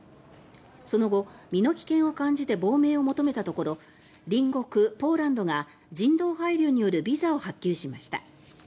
その後、身の危険を感じて亡命を求めたところ隣国ポーランドが人道配慮によるビザを発給しました。